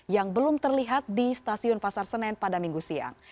yang belum terlihat di stasiun pasar senen pada minggu siang